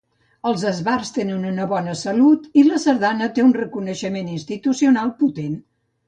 Els esbarts tenen bona salut i la sardana té un reconeixement institucional potent.